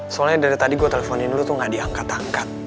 soalnya dari tadi gue teleponin dulu tuh gak diangkat angkat